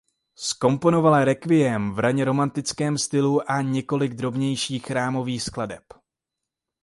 Zkomponoval requiem ve raně romantickém stylu a několik drobnějších chrámových skladeb.